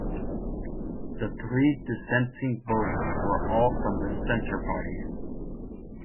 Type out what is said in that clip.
The three dissenting votes were all from the Centre Party.